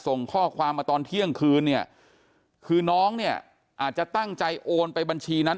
ส่งข้อความมาตอนเที่ยงคืนเนี่ยคือน้องเนี่ยอาจจะตั้งใจโอนไปบัญชีนั้น